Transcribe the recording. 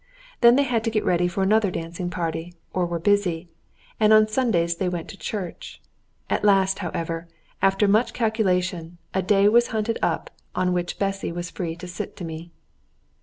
Then they had to get ready for another dancing party, or were busy, and on Sundays they went to church. At last, however, after much calculation, a day was hunted up on which Bessy was free to sit to me.